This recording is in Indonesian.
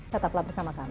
tetaplah bersama kami